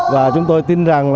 và chúng tôi tin rằng